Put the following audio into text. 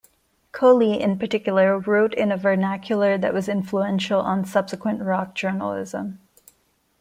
Coley in particular wrote in a vernacular that was influential on subsequent rock journalism.